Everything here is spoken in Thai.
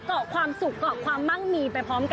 เกาะความสุขเกาะความมั่งมีไปพร้อมกัน